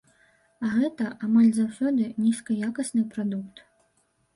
А гэта, амаль заўсёды, нізкаякасны прадукт.